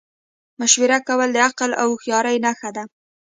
مشوره کول د عقل او هوښیارۍ نښه ده.